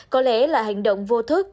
có lẽ là hành động vô thức